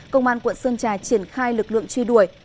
công an tp đà nẵng triển khai lực lượng truy đuổi